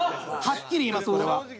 はっきり言えますこれは。